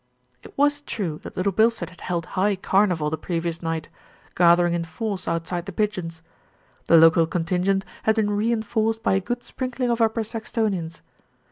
It was true that Little Bilstead had held high car nival the previous night, gathering in force outside The Pigeons. The local contingent had been rein forced by a good sprinkling of Upper Saxtonians.